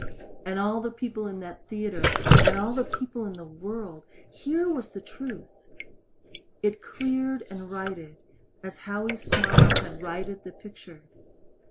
And all the people in that theater, and all the people in the world here was the truth! It cleared and righted as Howie's smile had righted the picture.